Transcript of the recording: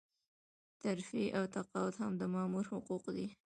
ترفيع او تقاعد هم د مامور حقوق دي.